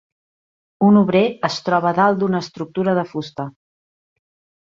Un obrer es troba a dalt d'una estructura de fusta.